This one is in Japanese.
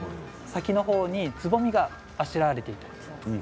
先の方に、つぼみがあしらわれている。